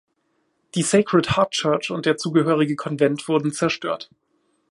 Die Sacred Heart Church und der zugehörige Konvent wurden zerstört.